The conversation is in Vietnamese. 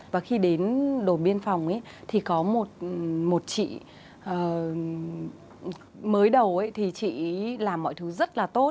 và khi đến đồn biên phòng thì có một chị mới đầu thì chị làm mọi thứ rất là tốt